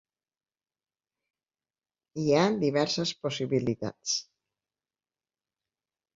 Hi ha diverses possibilitats.